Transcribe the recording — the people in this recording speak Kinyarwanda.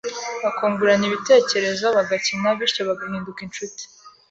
bakungurana ibitekerezo, bagakina, bityo bagahinduka inshuti